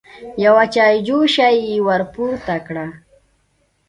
يوه چايجوشه يې ور پورته کړه.